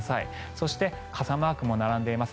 そして傘マークも並んでいます。